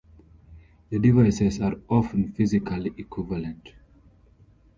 The devices are often physically equivalent.